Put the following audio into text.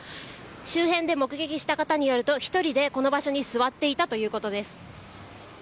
周辺で目撃した方によると１人でこの場所に座っていたということです。